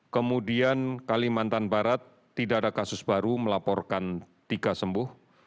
kemudian kalimantan barat tidak ada kasus baru melaporkan tiga sembuh